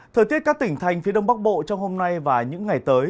thời tiết các tỉnh thành phía đông bắc bộ trong hôm nay và những ngày tới